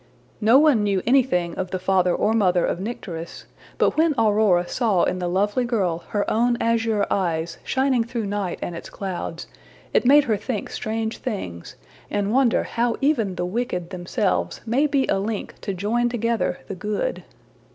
No one knew anything of the father or mother of Nycteris; but when Aurora saw in the lovely girl her own azure eyes shining through night and its clouds, it made her think strange things, and wonder how even the wicked themselves may be a link to join together the good.